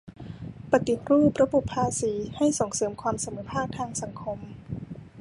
ปฏิรูประบบภาษีให้ส่งเสริมความเสมอภาคทางสังคม